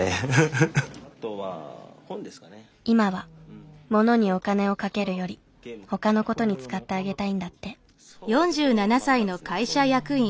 今は物にお金をかけるよりほかの事に使ってあげたいんだって。